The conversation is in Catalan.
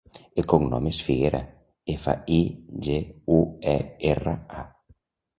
El cognom és Figuera: efa, i, ge, u, e, erra, a.